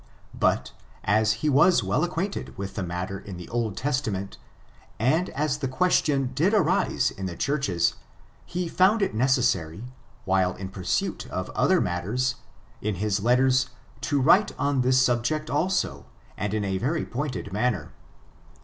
315 > I ; I 316 ORIGIN, CHARACTER, AND : as he was well acquainted with the matter in the Old Testament, and as the question did arise in the churches, he found it necessary, while in pursuit of other matters, in his letters, to write on this sutgect also, and in a very pointed manner.